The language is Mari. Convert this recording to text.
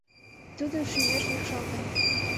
Тудын шӱмеш лупшалтын